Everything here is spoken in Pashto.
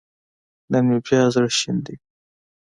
نن مې بيا زړه شين دی